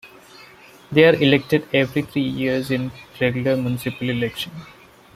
They are elected every three years, in the regular municipal election.